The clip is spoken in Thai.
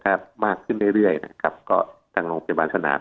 ถ้ามากขึ้นเรื่อยก็ทางโรงพยาบาลสนาม